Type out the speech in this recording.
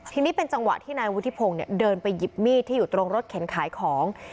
ทีนี้เป็นจังหวะที่นายวุฒิพงศ์เดินไปหยิบมีดที่อยู่ตรงรถเข็นขายของ